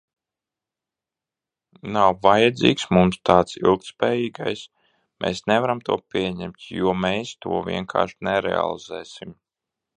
Nav vajadzīgs mums tas ilgtspējīgais, mēs nevaram to pieņemt, jo mēs to vienkārši nerealizēsim.